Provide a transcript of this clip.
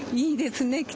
いいですね。